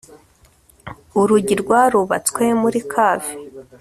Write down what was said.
urugi rwarubatswe muri kave